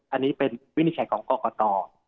อันนี้เป็นวินิจฉัยของกรกฎาล่ะครับ